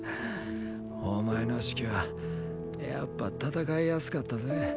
お前の指揮はやっぱ戦いやすかったぜ。